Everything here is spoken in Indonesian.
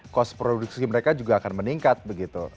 kos produksi mereka juga akan meningkat begitu